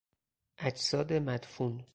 اجساد مدفون